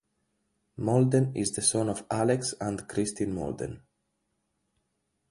Molden is the son of Alex and Christin Molden.